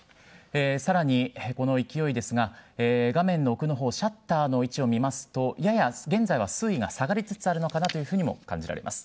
さらにこの勢いですが、画面の奥のほう、シャッターの位置を見ますと、やや、現在は水位が下がりつつあるのかなというふうにも感じられます。